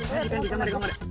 頑張れ頑張れ。